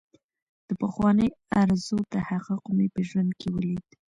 د پخوانۍ ارزو تحقق مې په ژوند کې ولید.